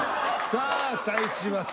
さあ対します